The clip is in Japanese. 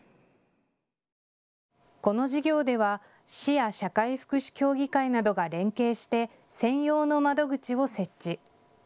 この事業では市や社会福祉協議会などが連携して専用の窓口を設置。